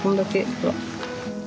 ほら。